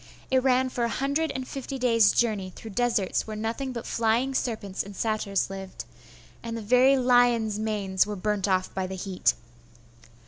It ran for a hundred and fifty days' journey through deserts where nothing but flying serpents and satyrs lived, and the very lions' manes were burnt off by the heat....